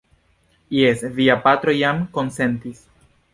Jes, via patro jam konsentis.